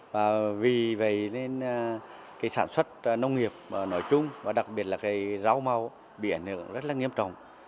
vì vậy nên sản xuất nông nghiệp nói chung và đặc biệt là rau màu bị ảnh hưởng rất là nghiêm trọng